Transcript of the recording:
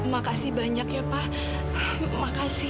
makasih banyak ya pak